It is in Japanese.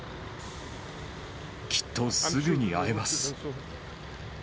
きっとすぐに会えます。